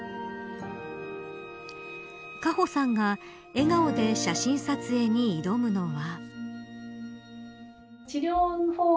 果歩さんが笑顔で写真撮影に挑むのは。